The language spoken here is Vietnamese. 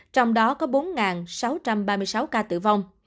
trong đó có bốn sáu trăm ba mươi sáu ca tử vong